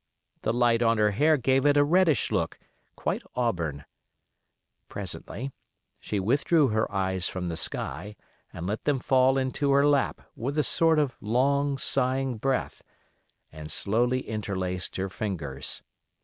The light on her hair gave it a reddish look, quite auburn. Presently, she withdrew her eyes from the sky, and let them fall into her lap with a sort of long, sighing breath, and slowly interlaced her fingers.